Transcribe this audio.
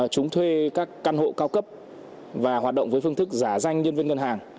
chúng thuê các căn hộ cao cấp và hoạt động với phương thức giả danh nhân viên ngân hàng